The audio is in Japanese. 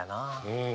うん。